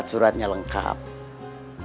tempatnya demi tempat